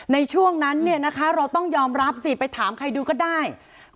ในช่วงนั้นเราต้องยอมรับสิไปถามใครดูก็ได้